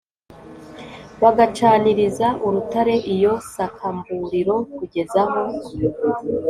bagacaniriza urutare iyo sakamburiro kugeza aho